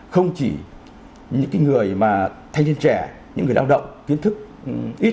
không chỉ những người mà thanh niên trẻ những người lao động kiến thức ít